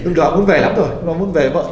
lúc đó muốn về lắm rồi